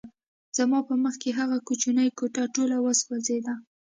زما په مخکې هغه کوچنۍ کوټه ټوله وسوځېده